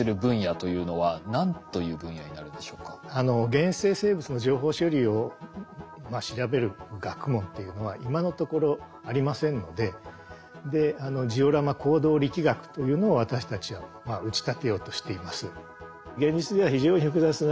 原生生物の情報処理を調べる学問というのは今のところありませんのでジオラマ行動力学というのを私たちは打ち立てようとしています。